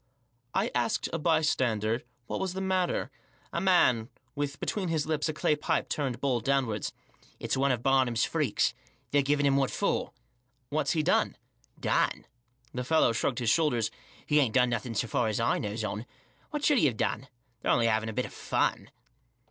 I asked a bystander what was the matter ; a man with between his lips a clay pipe turned bowl downwards. " It's one ot Barnum's Freaks. They're giving him what for." "What's he done?" "Done?" The fellow shrugged his shoulders. " He aint done nothing so far as I knows on ; what should he 'ave done ? They're 'only 'aving a bit o' fun."